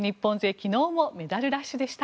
昨日もメダルラッシュでした。